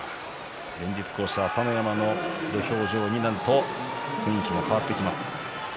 連日、朝乃山の土俵になると雰囲気も変わってきます。